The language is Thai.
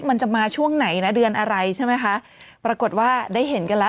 มันจะมาช่วงไหนนะเดือนอะไรใช่ไหมคะปรากฏว่าได้เห็นกันแล้ว